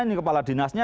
ini kepala dinasnya